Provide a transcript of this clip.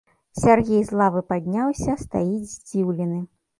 Сяргей з лавы падняўся, стаіць здзіўлены.